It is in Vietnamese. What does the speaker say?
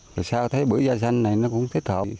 rồi sau thấy bưởi da xanh này nó cũng thích hợp